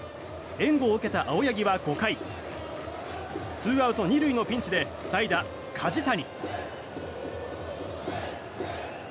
援護を受けた青柳は５回ツーアウト２塁のピンチで代打、梶谷。